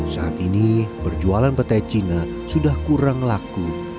saat ini berjualan petai cina sudah kurang laku